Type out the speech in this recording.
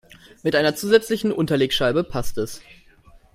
Mit einer zusätzlichen Unterlegscheibe passt es.